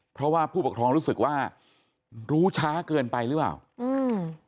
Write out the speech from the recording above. เพราะว่าผู้ปกครองรู้สึกว่ารู้ช้าเกินไปหรือเปล่าอืม